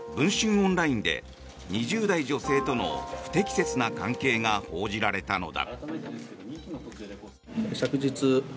オンラインで２０代女性との不適切な関係が報じられたのだ。